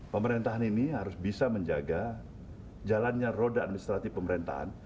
pemerintahan ini harus bisa menjaga jalannya roda administratif pemerintahan